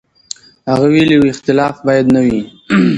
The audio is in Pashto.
هغه ویلي و، اختلاف باید نه وي.